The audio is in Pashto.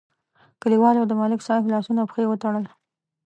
کلیوالو د ملک صاحب لاسونه او پښې وتړل.